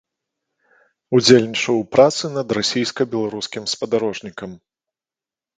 Удзельнічаў у працы над расійска-беларускім спадарожнікам.